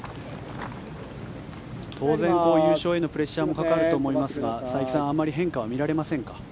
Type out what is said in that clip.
当然優勝へのプレッシャーもかかると思いますが佐伯さん、あまり変化は見られませんか？